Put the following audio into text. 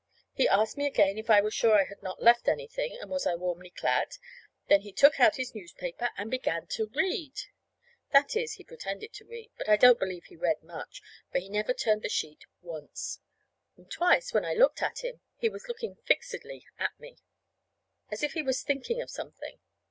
He asked me again if I was sure I had not left anything, and was I warmly clad; then he took out his newspaper and began to read. That is, he pretended to read; but I don't believe he read much, for he never turned the sheet once; and twice, when I looked at him, he was looking fixedly at me, as if he was thinking of something.